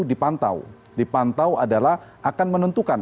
dipantau adalah akan menentukan